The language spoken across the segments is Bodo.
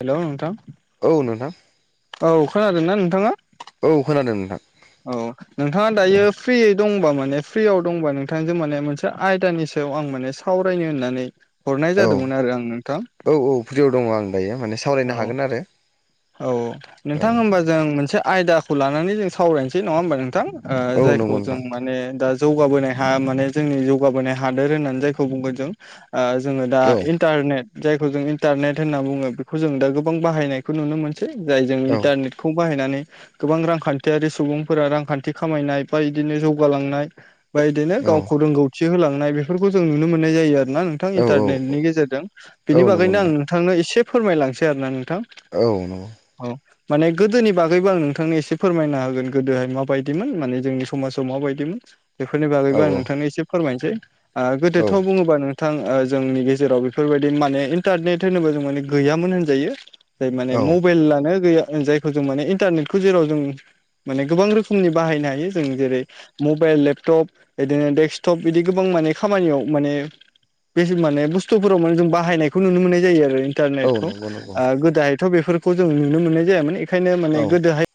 हेलौ! नोंथां। औ नोंथां। औ खोनादोंना नोंथाङा? औ खोनादों नोंथां। औ नोंथाङा औ दायो फ्रियै दंबा मा? ने फ्रियाव दंबा नोंथांजों माने मोनसे आयदानि सायाव आं माने सावरायनो होननानै। हरनाय जादोंमोन आरो आं नोंथां औ-औ-औ फ्रियाव दङ आं दायो माने सावरायनो औ हागोन आरो। औ औ नोंथां होमबा जों मोनसे आयदाखौ लानानै जों सावरायनोसै नङा होमबा नोंथां? ओ औ जायखौ नंगौ जों नोंथां माने दा। जौगाबोनाय हा माने जोंनि जौगाबोनाय हादोर होननानै जायखौ बुंगोन जों। ओ जोङो दा औ इन्टारनेट जायखौ जों इन्टारनेट होनना बुङो बेखौ जों दा गोबां बाहायनाय। खौ नुनो मोनसै जाय जों औ इन्टारनेटखौ। बाहायनानै गोबां रांखान्थियारि सुबुंफोरा रांखान्थि खामायनाय बा इदिनो जौगालांनाय बाइदिनो औ गावखौ रोंगौथि होलांनाय बेफोरखौ जों नुनो मोननाय जायो आरो ना नोंथां औ इन्टारनेटनि गेजेरजों औ बिनि नंगौ बागैनो आं नोंथां नोंथांनो एसे फोरमायलांसै आरो ना नोंथां। औ नंगौ। औ माने गोदोनि बागैबो आं नोंथांनो एसे फोरमायना होगोन गोदोहाय माबायदिमोन माने जोंनि समाजाव माबायदिमोन। बेफोरनि औ बागैबो आं नोंथांनो एसे फोरमायनसै। आ गोदोथ' बुङोबा नों थां ओ जोंनि गेजेराव बेफोरबायदि माने इन्टारनेट होनोबा जों माने गैयामोन होनजायो। जाय औ माने मबाइलानो गैया जायखौ जों माने इन्टारनेटखौ जेराव जों माने गोबां रोखोमनि बाहायनो हायो जों जेरै मबाइल लेपटप बिदिनो डेक्सकटप बिदि गोबां माने खामानियाव माने बे जों माने बुस्थुफोराव माने जों बाहायनायखौ नुनो मोननाय जायो आरो इ औ न्टारनेटखौ नंगौ नंगौ आ गोदोहायथ बेफोरखौ जों नुनो मोननाय जायामोन बेखायनो औ माने गोदोहाय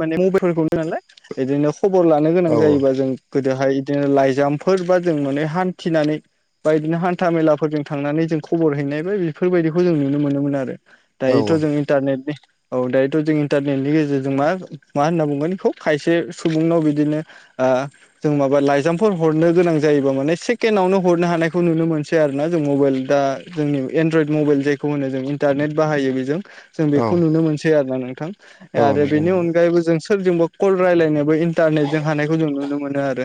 माने मबाइलफोरखौ नालाय बिदिनो खबर लानो गोनां औ नंगौ औ औ जायोबा जों गोदोहाय बिदिनो लाइजामफोर बा जों माने हान्थिनानै बा बिदिनो हान्था मेलाफोरजों थांनानै जों खबर हैनाय बो बेफोरबायदिखौ जों नुनो मोनोमोन आरो। दायोथ' जों इन्टारनेटनि औ दायोथ जों इन्टारनेटनि गेजेरजों मा मा होनना बुंगोन इखौ खायसे सुबुंनाव बिदिनो जों आ माबा लाइजामफोर हरनो गो नां जायोबा माने सेकेण्डावनो हरनो हानायखौ नुनो मोनसै आरोना। जों मबाइल दा जोंनि एन्दरइट मबाइल जायखौ होनो जों इन्टारनेट बाहायो बेजों जों औ बेखौ नुनो मोनसै आरोना नोंथां नंगौ नोंथां औ आरो नंगौ बेनि नोंथां अन जों सोरजोंबो कल रायलायनायबो इन्टारनेटजों हानायखौ जों नुनो मोनो आरो।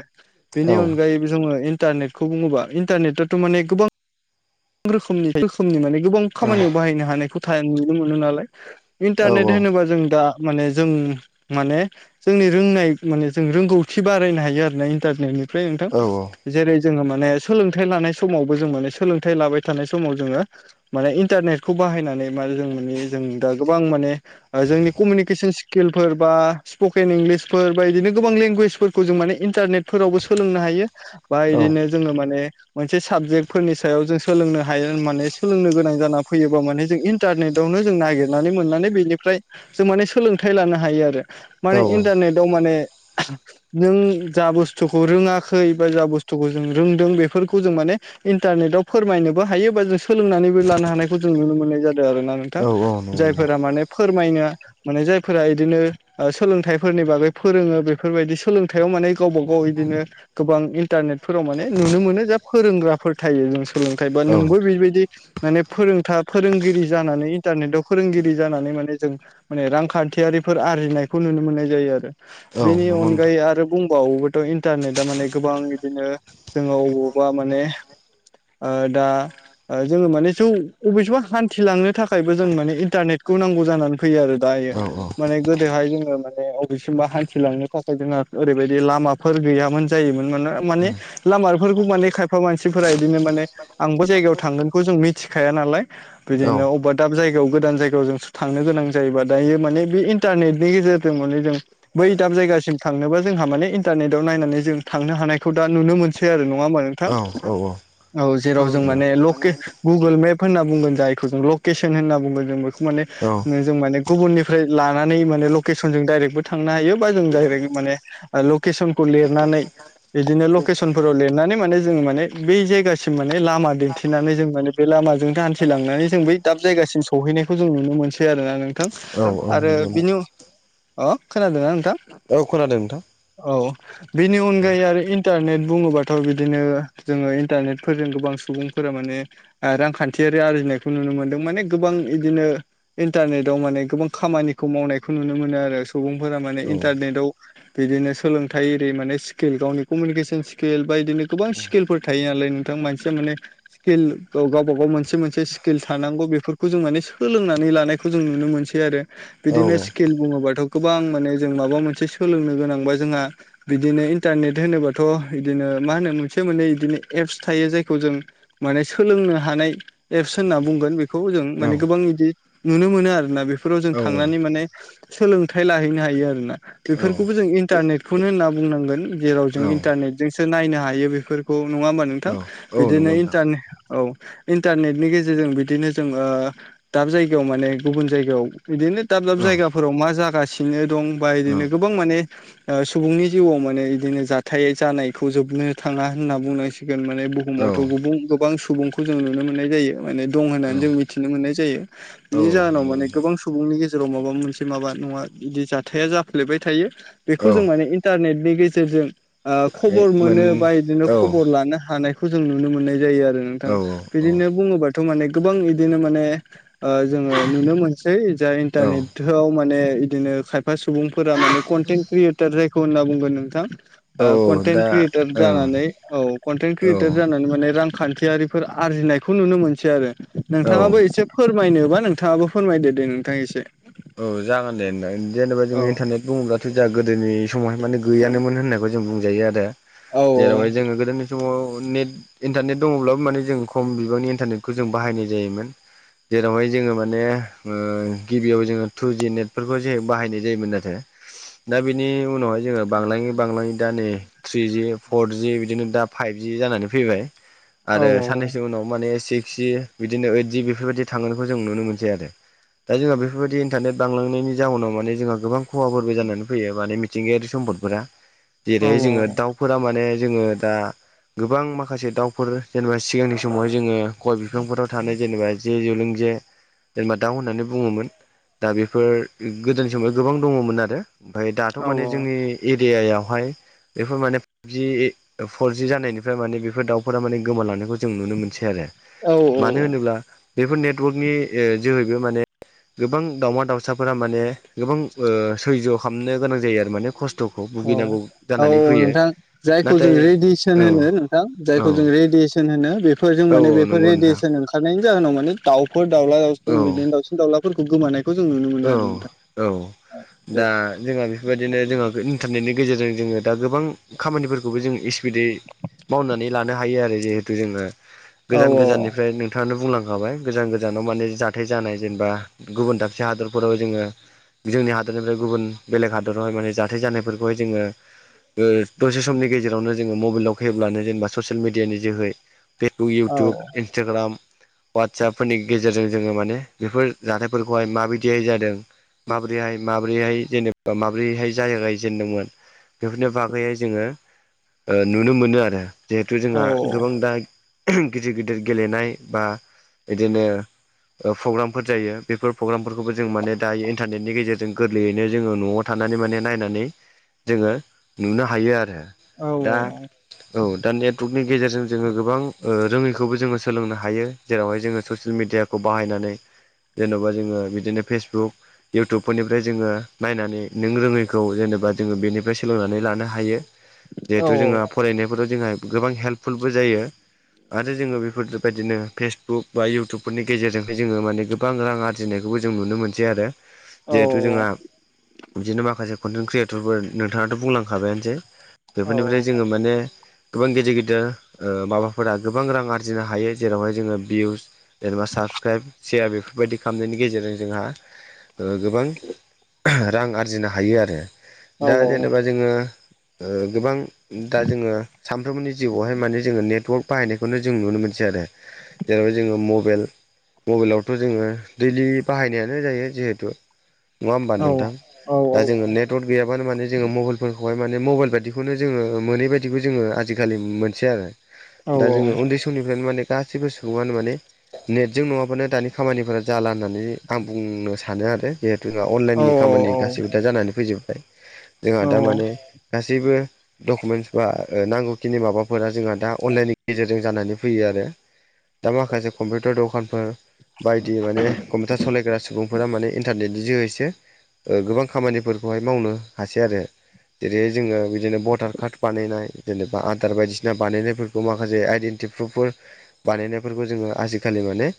बेनि औ अनगायैबो जोङो इन न्टारनेटखौ बुङोबा इन्टारनेटआथ माने गोबां रोखोमनि रोखोमनि माने गोबां खामानियाव बाहायनो हानायखौ था नुनो मोनो नालाय। इन्टारनेट होनोबा जों दा माने जों माने जोंनि रोंनाय माने जों रोंगौथि बारायनो हायो आरो ना इन्टारनेटनि फ्राय नोंथां। जेरै जोङो माने सोलोंथाइ लानाय समावबो जों माने सोलोंथाइ लाबाय थानाय समाव जोङो माने इटारनेटखौ बा हायनानै माने जों माने जों दा गोबां माने जोंनि कमिउनिखेसन स्किल फोर बा स्पकेन इंलिसफोर बा बिदिनो गोबां लेंगुवेजफोरखौ जों माने इन्टारनेट फोरावबो सोलोंनो हायो बा औ इदिनो जोङो माने मोनसे साबजेक फोरनि सायाव जों सोलोंनो हायो माने सोलोंनो गोनां जाना फैयोबा माने जों इन्टारनेटआव - नो जों नागेरना मोननानै बेनिफ्राय जों माने सोलोंथाइ लानो हा यो आरो माने इन्टारनेटआव माने नों जा बुस्थुखौ रोङाखै बा जा बुस्थुखौ जों रोंदों बेफोरखौ जों माने इन्टारनेटआव फोरमायनोबो हायोबा बा जों सोलोंनानैबो लानो हानायखौ जों नुनो मोननाय जा यो आरोना नोंथां जायफोरा माने फोरमायनो माने जायफोरा इदिनो सोलोंथाइफोरनि बागै फोरोङो बेफोरबायदि सोलोंथाइयाव माने गावबा गाव इदिनो गोबां इन्टारनेटफोराव माने नुनो मोनो जा फोरोंग्राफोर थायो नों सोलोंथाइ बा नोंबो बेबायदि माने फोरोंथा फोरोंगिरि जानानै इन्टारनेटआव फोरोंगिरि जानानै माने जों माने रांखान्थियारि फोर आरजिनायखौ नुनो मोननाय जायो आरो बेनि अनगायै आरो बुं बावोबाथ' इन्टारनेटआ माने गोबां बिदिनो जोङो अबावबा माने ओ दा जोङो माने जौ अबेसेबा हान्थिलांनो थाखायबो जों माने इन्टारनेट खौ नांगौ जानानै फैयो आरो। दायो औ औ। माने गोदोहाय जोङो माने अबेसिमबा हान्थिलांनो थाखाय जोंहा ओरैबायदि लामाफोर गैयामोन जायोमोन मा नो माने लामाफोरखौ माने खायफा मानसिफोरा बिदिनो माने आंबो जायगायाव थांगोनखौ जों मिथिखा या नालाय बिदिनो अबेबा दाब जायगायाव गोदान जायगायाव जोंथ थांनो गोनां जायोबा दायो माने बे इन्टारनेटनि गेजेरजों माने जों बै दाब जायगासिम थांनोबा जोंहा माने इन्टारनेटआव नायनानै जों थांनो हानायखौ दा नुनो मोनसै आरो नङा होमा नोंथां। औ औ औ जेराव जों माने लके गुगोल मेप होन्ना बुंगोन जायखौ जों लकेसन होनना बुंगोन जों बेखौ माने औ जों माने गुबुननि- -फ्राय लानानै माने लकेसन जों डायरेक्टबो थांनो हायो बा जों डायरेक्ट माने लकेसनखौ लेरनानै बिदिनो लकेसनफोराव लिरनानै माने जों माने बै जायगासिम माने लामा दिन्थिनानै जों माने बे लामाजों हान्थिलांनानै जों बै दाब जायगासिम सौहैनायखौ जों नुनो मोनसै आरोना नोंथां औ औ आरो नंगौ बिनि नोंथां अ खोनादोंना नोंथां? औ खोनादों नोंथां। औ बेनि औ अनगायै आरो इन्टारनेट बुङोबाथ बिदिनो जोङो इन्टारनेटफोरजों गोबां सुबुंफोर तारमाने रांखान्थि आरजिनायखौ नुनो मोन्दों माने गोबां बिदिनो इन्टारनेटाव माने खामानिखौ मावनायखौ नुनो मोनो आरो सुबुंफोरा माने औ इन्टारनेटाव बिदिनो सोलोंथाइ एरि माने स्किल गावनि कमिनिकेसन स्किल बा बिदिनो गोबां स्किलफोर थायो नालाय नोंथां मानसिया माने स्किल गावबब गाव मोनसे मोनसे स्किल थानांगौ बेफोरखौ जों माने सोलोंनानै लानायखौ जों नुनो मोनसै आरो बिदिनो स्किल बुङोबाथ' गोबां माने जों माबा मोनसे सोलोंनो गोनांबा जोंहा बिदिनो इन्टारनेट होनोबाथ' बिदिनो मा होनो मोनसे मोननै बिदिनो एपस थायो जायखौ जों माने सोलों सोलोंनो हानाय एप्स होनना बुंगोन बेखौ जों माने गोबां बिदि नुनो मोनो आरोना बेफोराव जों थांनानै माने सोलोंथाइ लाहैनो हायो आरोना बेफोरखौबो जों इन्टारनेटखौनो होनना बुंनांगोन जेराव औ जों इन्टारनेट जोंसो नायनो हायो बेफोरखौ नङा होमबा नोंथां। औ नंगौ बिदिनो नोंथां इन्टारनेट औ इन्टारनेटनि गेजेरजों बिदिनो जों दाब जायगायाव माने गुबुन जायगायाव। बिदिनो दाब दाब औ जायगाफोराव मा जागासिनो दं बा औ बिदिनो गोबां माने ओ सुबुंनि जिउआव माने बिदिनो जाथाय जानायखौ जोबनो थाङा होनना बुंनांसिगोन औ बुहुमावथ माने गोबां सुबुं सुबुंखौ जों नुनो मोननाय जायो माने दं औ होननानै जों मिथिनो मोननाय जायो औ बिनि जाहोनाव नंगौ माने नोंथां गोबां सुबुंनि गेजेराव माबा मोनसे माबा नङा बिदि जाथाया जाफ्लेबाय थायो औ बेखौ जों माने इन्टारनेटनि गेजेरजों ओ खबर मोन मोनो बा बिदिनो औ खबर लानो हानाय खौ जों नुनो मोननाय जायो आरो औ नोंथां। बिदिनो बुङोबाथ' माने गोबां बिदिनो माने ओ जोङो नुनो मोनसिनो जा औ इन्टारनेटआव माने बिदिनो खायफा सुबुंफोरा माने कन्टेन्ट क्रियेटार जायखौ होनना बुंगोन नोंथां औ ओ कनटेन दा क्रियेटार ओं जानानै औ कनटेन्ट औ क्रियेटर जानानै माने रांखान्थियारिफोर आरजिनायखौ नुनो मोनसै आरो औ नोंथाङाबो एसे फोरमायनोबा नोंथाङाबो फोरमायदो दे नोंथां एसे औ जागोन दे नोंथां जेनेबा औ जोंङो इन्टारनेट बुङोब्ला जाहा गोदोनि समावहाय माने गैयानोमोन होननायखौ जों बुंजायो आरो औ जेरावहाय जोङो गोदोनि समाव नेट इन्टारनेट दङब्लाबो माने जों खम बिबांनि इन्टारनेटखौ जों बाहायनाय जायोमोन। जेरावहाय जोङो माने ओ गिबियाव जोङो टु जि नेटफोरखौ जे बाहायनाय जायोमोन नाथाय दा बेनि उनावहाय जोङो बांलायै बांलाङै दा नै थ्रिजि फरजि बिदिनो दा फाइभजि जानानै फैबाय औ आरो साननैसोनि उनाव माने एसे सिक्स जि बिदिनो ओइद जि बेफोरबायदि थांगोनखौ जों नुनो मोनसै आरो दा जोंहा बेफोरबायदि नेट बांलांनायनि जााहोनाव माने जोंहा गोबां खहाफोरबो जानानै फैयो माने मिथिंगायारि सम्दफोरा औ जेरैहाय जोङो औ दाउफोरा माने जोङो दा गोबां माखासे दाउफोर जेनेबा सिगांनि समावहाय जोङो गय बिफांफोराव थानाय जेनेबा जे जौलों जे जे जेनेबा दाउ होननानै बुङोमोन दा बेफोर गोदोनि समाव गोबां दङमोन आरो ओमफफ्राय दाथ' माने औ जोंनि औ ए ए आइ यावहाय बेफोर माने फाइभजि फरजि जानायनिफ्राय माने बेफोर दाउफोरा माने गोमाल लांनायखौ जों नुनो मोनसै आरो औ मानो औ होनोब्ला बेफोर नेटवर्कनि ओ जोहैबो माने गोबां दाावमा दाउसाफोरा माने गोबां ओ सैज' खालामनो गोनां जायो आरो माने खस्थ' औ-औ नोंथां जायखौ जों नाथाय रेडियेसन औ होनो नोंथां औ जायखौ जों रेडि येसन होनो बेफोरजों औ माने औ बेफोर नंगौ नोंथां रेडियेसन ओंखारनायनि जाहोनाव माने दाउफोर दाउला औ दाउलि दाउसिन दाउलाफोरखौ गोमानाय औ औ बे दा जोंहा बेफोरबायदिनो जोंहा इन्टारनेटनि गेजेरजों जोङो दा गोबां खामानिफोरखौबो जों सिपिदै मावनानै लानो हायो आरो जिहेतु जोङो औ गोजान गोजाननिफ्राय नोंथाङानो बुंलां खाबाय गोजान गोजानाव माने जाथाय जानाय जेनेबा गुबुन दाबसे हादरफोराव जोङो जोंनि हादरनिफ्राय गुबुन बेलेग हादरावहाय माने जाथाय जानायफोरखौहाय जोङो ओ दसे समनि गेजेरावनो जोङो मबाइलाव फैब्लानो जेनेबा ससियेल मिडियानि जोहै फेसबुक औ इउटुब इन्सटाग्राम वाट्सएपफोरनि गेजेरजों जोङो माने बेफोर जाथायफोरखौहाय माब बिदिहाय जादों माबोरैहाय माब्रैहाय जेनेबा माब्रैहाय जाय गाय जेनदोंमोन बेफोरनि बागैै जोङो नुनो मोनो आरो जिहेथु औ जोंहा गोबां दा गिदिर गिदिर गेलेनाय बा बिदिनो प्रग्रामफोर जायो बेफोर प्रग्राम फोरखौबो जों माने दायो इन्टारनेटनि गेजेरजों गोरलैयैनो जोङो न'आव थानानै माने नायनानै जोङो नुनो हायो आरो औ दा औ दा नेटवर्कनि गेजेरजों जोङो गोबां रोङैखौबो जोङो सोलोंनो हायो जेरावहाय जोङो ससियेल मिडियाखौ बाहायनानै जेन'बा जोङो बि दिनो फेसबुक इउटुबफोरनिफ्राय जोङो नायनानै नों रोङैखौ जेनेबा जोङो बेनिफ्राय सोलोंनानै नानै लानो हायो औ जिहेथु जोंहा फरायनायफोराव जोंहा गोबां हेल्पफुलबो जायो। आरो जोङो बेफोरबायदिनो फेसबुक बा इउटुबफोरनि गेजेरजोंहाय जोङो माने गोबां रां आरजिनो बेखौबो जों नुनो मोनसै आरो औ जिहेथु जोंहा बिदिनो माखासे कन्टेन्ट क्रियेटरफोर नोंथाङाथ' बुंलांखाबायानोसै औ औ बेफोरनिफ्राय जोङो माने गोबां गेदिर गिदिर माबाफोरा गोबां रां आरजिनो हायो जेरावहाय जोङो बिउस जेनबा साब साबसक्राइब सेयार बेफोरबायदि खालामनायनि गेजेरजों जोंहा गोबां रां आरजिनो हायो आरो दा जेनेबा जोङो ओ गोबां दा जोङो सानफ्रोमबोनि जिउआवहाय माने जोङो नेटवर्क बाहायनायखौनो जों नुनो मोनसै। आरो जेनबा जोङो मबेल मबाइेलावथ' जोङो दैलि बाहायनायानो जायो जिहेथु नङा होमबा नोंथां? औ औ दा औ जोङो नेटवर्क गैया मानो माने जोङो मबाइलफोरखौहाय माने मबाइल बायदिखौनो जोङो मोनै बायदिखौ जोङो आजिखालि मोनसेै आरो दा औ जोङो उन्दै समनिफ्रायनो माने गासैबो सुबुङानो माने नेटजों नङाबानो दानि खामानिफोरा जाला होननानै आं बुंनो सानो आरो जिहेथु अनलाइननि खामानि गासैबो दा जानानै फैजोबो जोंहा दा माने गासैबो डकुमेन्टस बा नांगौखिनि माबाफोरा जोंहा दा अनलाइननि गेजेरजों जानानै फैयो आरो दा माखासे कम्पिउटार दखानफोर बाय दि माने कम्पिउटार सालायग्रा सुबुंफोरा माने इन्टारनेटनि जोहैसो गोबां खामानिफोरखौहाय मावनो हासै आरो जेरैहाय जोङो बिदिनो भटार कार्ड बानायनाय जेनेबा आदार बायदिसिना बानायनायफोरखौ माखासे आइडेन्टि टि प्रुपफोर बानायनायफोरखौ जोङो आजिखालि माने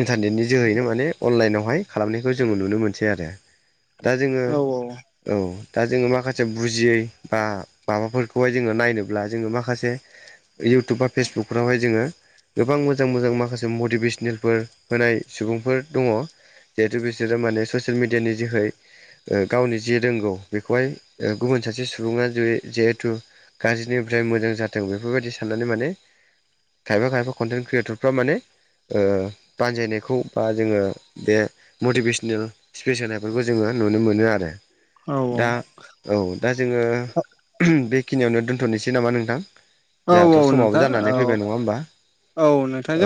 इन्टारनेटनि जोहैनो माने अनलाइनावहाय खालामनायखौ जोङो नुनो मोनसै आरो दा जोङो औ दा जोङो माखासे बुजियै बा माबाफोरखौहाय जोङो नायनोब्ला जोङो माखासे इउटुब बा फेसबुकफोरावहाय जोङो गोबां मोजां मोजां माखासे मटिभेसनेलफोर होनाय सुबुंफोर दङ जिहेतु बिसोरो माने ससियेल मिडियानि जोहै गावनि जे रोंगौ बेखौहाय गुबुन सासे सुबुङा जेरै जिहेथु गाज्रिनि निफ्राय मोजां जाथों बेफोरबायदि साननानै माने खायफा खायफा कन्टेन्ट क्रियेटरफ्रा माने ओ बानजायनायखौ बा जोङो बे मटिभेसनेल स्पिस होनायफोरखौ जोङो नुनो मोनो आरो दा औ दा जोङो बे खिनियावनो दोन्थ'नोसै नामा नोंथां औ जोंहाथ' समाबो नोंथां जानानै औ फैबाय नङा होमबा? औ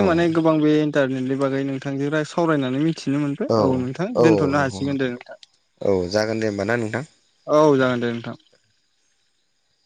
औ माने गोबां बे इन्टारनेटनि बागै नोंथांजों सावरायनानै मिथि मिथिनो मोनबाय औ नोंथां दोन्थ'नो हासिगोन दे नोंथां। औ जागोन दे होमबा ना नोंथां। औ जागोन दे नोंथां [inaudible]